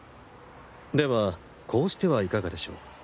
ではこうしてはいかがでしょう。